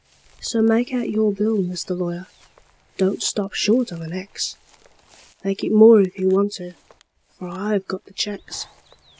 So make out your bill, Mr. Lawyer: don't stop short of an X; Make it more if you want to, for I have got the checks.